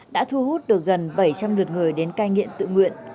đã thu hút được gần bảy trăm linh lượt người đến cai nghiện tự nguyện